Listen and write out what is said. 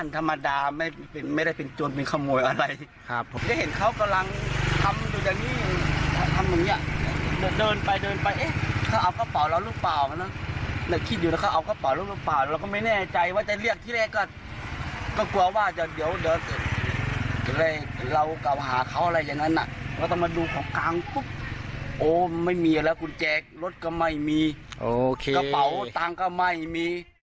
กันปุ๊บโอ้วไม่มีอะไรกุญแจกรถก็ไม่มีกระเป๋าตังค์ก็ไม่มี